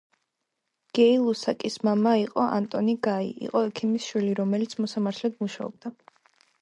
გეი ლუსაკის მამა იყო ანტონი გაი იყო ექიმის შვილი, რომელიც მოსამართლედ მუშაობდა.